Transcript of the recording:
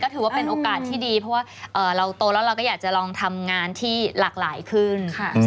ถือว่าเป็นโอกาสที่ดีเพราะว่าเราโตแล้วเราก็อยากจะลองทำงานที่หลากหลายขึ้น